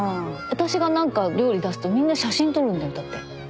私がなんか料理出すとみんな写真撮るんだよだって。